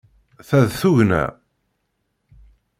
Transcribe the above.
Ta d tugna.